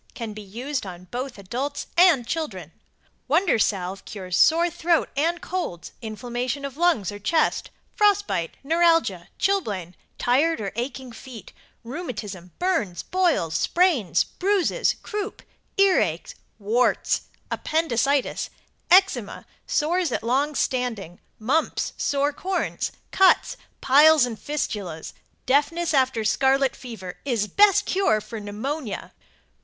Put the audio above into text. Can be used on both adults and children. Wonder Salve cures sore throat and colds, inflammation of lungs or chest, frost bite, neuralgia, chilblain, tired or aching feet, rheumatism, burns, boils, sprains, bruises, croup, earache, warts, appendicitis, eczema, sores at long standing, mumps, sore corns, cuts, piles and fistulas, deafness after scarlet lever, is best cure for pneumonia.